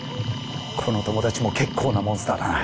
この友達も結構なモンスターだな。